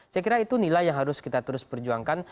saya kira itu nilai yang harus kita terus perjuangkan